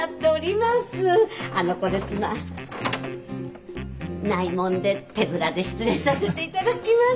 あのこれ無いもんで手ぶらで失礼させていただきます。